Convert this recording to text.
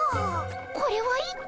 これは一体。